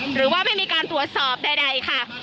หรือว่าไม่มีการตรวจสอบใดค่ะ